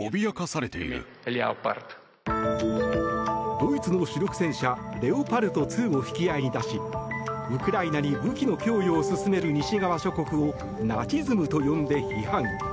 ドイツの主力戦車レオパルト２を引き合いに出しウクライナに武器の供与を進める西側諸国をナチズムと呼んで批判。